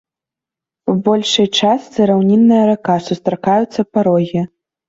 Па большай частцы раўнінная рака, сустракаюцца парогі.